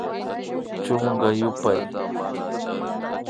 Chunka yupay